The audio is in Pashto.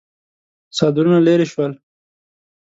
څادرونه ليرې شول.